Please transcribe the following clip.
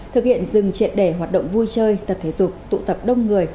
thực hiện dừng triệt để hoạt động vui chơi tập thể dục tụ tập đông người